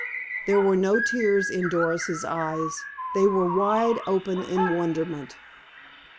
There were no tears in Doris's eyes. They were wide open in wonderment.